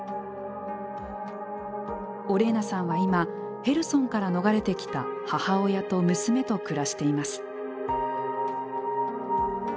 オレーナさんは今へルソンから逃れてきた母親と娘と暮らしています。